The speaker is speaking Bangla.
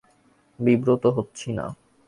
বিব্রত হচ্ছি না।